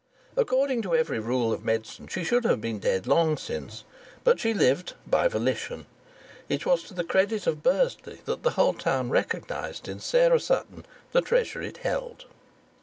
According to every rule of medicine she should have been dead long since; but she lived by volition. It was to the credit of Bursley that the whole town recognized in Sarah Sutton the treasure it held.